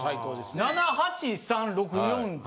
７８３−６４０